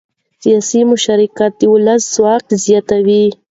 سیاسي مشارکت د ولس ځواک زیاتوي